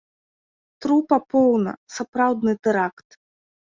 Трупа поўна, сапраўдны тэракт!